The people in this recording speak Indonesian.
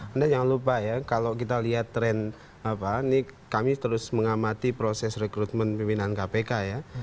anda jangan lupa ya kalau kita lihat tren ini kami terus mengamati proses rekrutmen pimpinan kpk ya